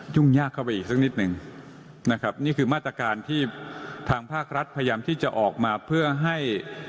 ยากเข้าไปอีกสักนิดหนึ่งนะครับนี่คือมาตรการที่ทางภาครัฐพยายามที่จะออกมาเพื่อให้